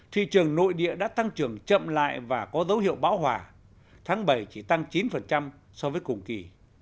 thị trường nội địa đã tăng trưởng chậm lại và có dấu hiệu bão hòa tháng bảy chỉ tăng chín so với cùng kỳ